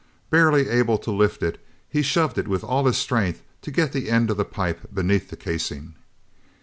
Barely able to lift it, he shoved it with all his strength to get the end of the pipe beneath the casing.